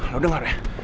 lu dengar ya